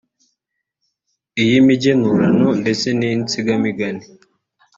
iy’imigenurano ndetse n’Insigamigani